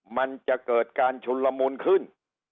มันจะเกิดการชุนละมุนขึ้น